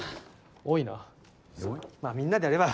多いなまぁみんなでやれば。